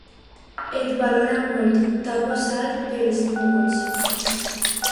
Et valora molt: t'ha posat pels núvols.